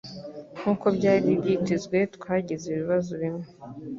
Nkuko byari byitezwe twagize ibibazo bimwe